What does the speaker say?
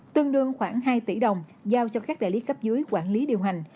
tương đương khoảng hai tỷ đồng giao cho các đại lý cấp dưới quản lý điều hành